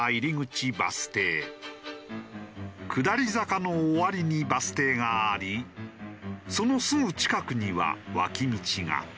下り坂の終わりにバス停がありそのすぐ近くには脇道が。